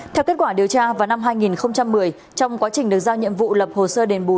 theo kết quả điều tra vào năm hai nghìn một mươi trong quá trình được giao nhiệm vụ lập hồ sơ đền bù